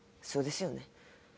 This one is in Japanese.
そうですよね。